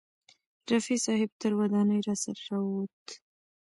رفیع صاحب تر ودانۍ راسره راوووت.